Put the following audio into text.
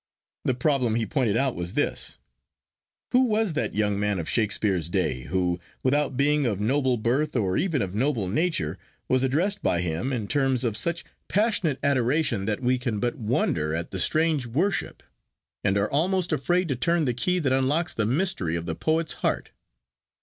The problem he pointed out was this: Who was that young man of Shakespeare's day who, without being of noble birth or even of noble nature, was addressed by him in terms of such passionate adoration that we can but wonder at the strange worship, and are almost afraid to turn the key that unlocks the mystery of the poet's heart?